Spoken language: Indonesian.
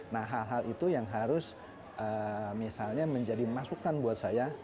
nah hal hal itu yang harus misalnya menjadi masukan buat saya